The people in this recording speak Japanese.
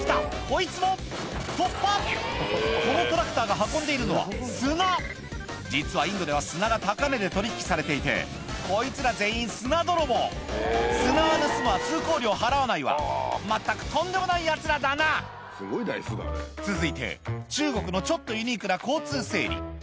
こいつも突破このトラクターが運んでいるのは砂実はインドでは砂が高値で取引されていてこいつら全員砂泥棒砂は盗むわ通行料払わないわまったくとんでもないヤツらだな続いて中国のちょっとユニークな交通整理